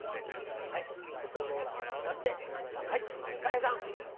塗装ローラーを使って何かはいたい平さん。